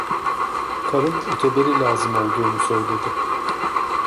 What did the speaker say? Karım öteberi lazım olduğunu söyledi.